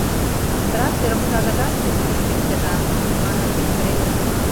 Тракторым садыгак кушкыж шинчына! — манын кычкыреныт нуно.